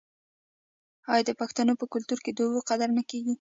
آیا د پښتنو په کلتور کې د اوبو قدر نه کیږي؟